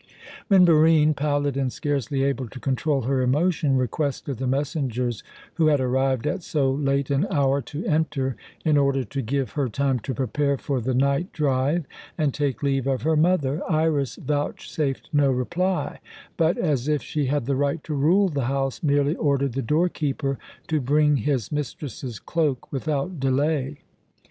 When Barine, pallid and scarcely able to control her emotion, requested the messengers who had arrived at so late an hour to enter, in order to give her time to prepare for the night drive and take leave of her mother, Iras vouchsafed no reply, but, as if she had the right to rule the house, merely ordered the doorkeeper to bring his mistress's cloak without delay.